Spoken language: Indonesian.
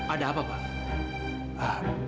ada apa pak